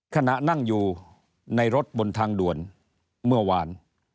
ขณะนั่งอยู่ในรถบนทางด่วนเมื่อวาน